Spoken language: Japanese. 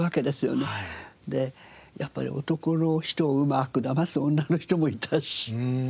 でやっぱり男の人をうまくだます女の人もいたし。